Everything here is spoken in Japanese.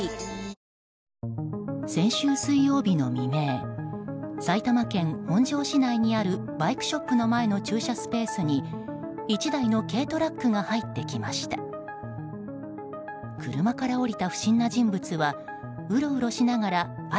先週水曜日の未明埼玉県本庄市内にあるバイクショップの前の駐車スペースに１台の軽トラックが入ってきました。